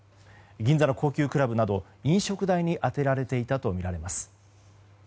銀座の高級クラブなど飲食代に充てられていたとみられます。